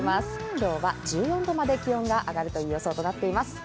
今日は１４度まで気温が上がるという予想になっています。